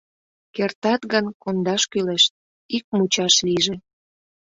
— Кертат гын, кондаш кӱлеш, ик мучаш лийже.